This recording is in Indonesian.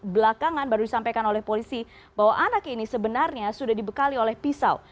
belakangan baru disampaikan oleh polisi bahwa anak ini sebenarnya sudah dibekali oleh pisau